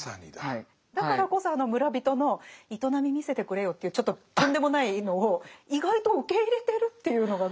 だからこそあの村人の「営み見せてくれよ」っていうちょっととんでもないのを意外と受け入れてるっていうのが。